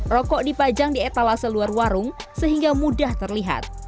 rokok dipajang di etalase luar warung sehingga mudah terlihat